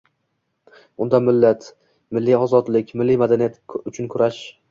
Unda millat, milliy ozodlik, milliy madaniyat uchun kurash